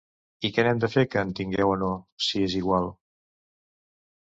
I què n'hem de fer que en tingueu o no, si és igual?